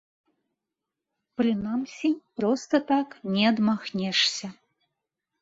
Прынамсі, проста так не адмахнешся.